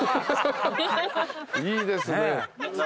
いいですね。